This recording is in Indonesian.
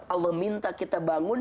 allah minta kita bangun